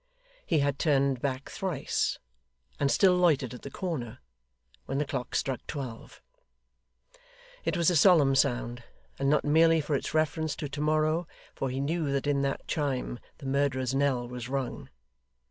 He had turned back thrice, and still loitered at the corner, when the clock struck twelve. It was a solemn sound, and not merely for its reference to to morrow; for he knew that in that chime the murderer's knell was rung.